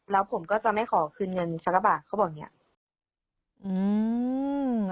แล้วผมก็จะไม่ขอคืนเงินสักกระบาทเขาบอกอย่างเงี้ยอืม